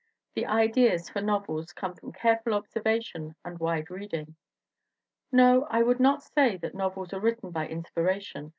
The ideas for novels come from careful observation and wide reading. "No, I would not say that novels are written by inspiration.